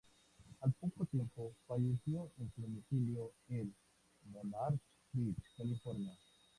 Al poco tiempo falleció en su domicilio en Monarch Beach, California.